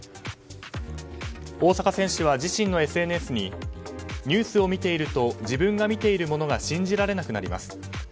大坂選手は自身のＳＮＳにニュースを見ていると自分が見ているものが信じられなくなります。